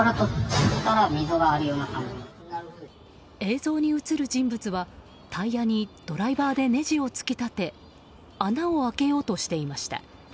映像に映る人物はタイヤにドライバーでねじを突き立て穴を開けようとしていました。